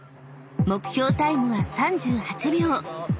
［目標タイムは３８秒］